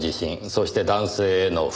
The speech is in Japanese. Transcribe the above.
そして男性への不信。